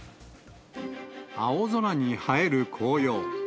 青空に映える紅葉。